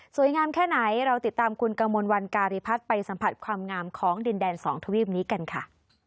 งามแค่ไหนเราติดตามคุณกมลวันการีพัฒน์ไปสัมผัสความงามของดินแดนสองทวีปนี้กันค่ะ